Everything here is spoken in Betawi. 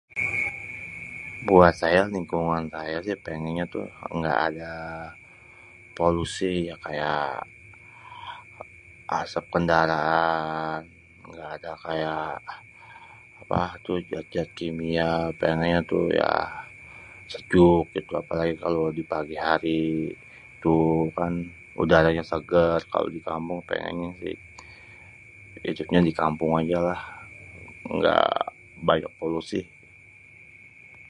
Buat saya si lingkungan saya si pengennye tuh ga ada polusi ya kaya, asep kendaraan, ga ada kaya apa tuh jajan-jajanan kimia pengennya tuh ya sejuk gitukan apelagi kalo di pagi hari tu kan udaranya seger kalo di kampung pengennya si hidupnya di kampung aje lah engga banyak polusi.